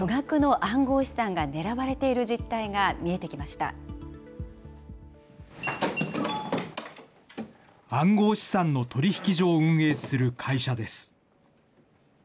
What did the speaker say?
暗号資産の取引所を運営する会社です。